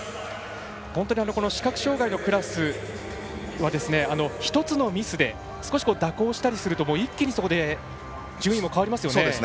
この視覚障がいのクラスは１つのミスで少し蛇行したりすると一気にそこで順位も変わりますよね。